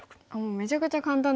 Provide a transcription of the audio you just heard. めちゃくちゃ簡単ですね。